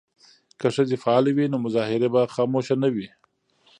که ښځې فعالې وي نو مظاهرې به خاموشه نه وي.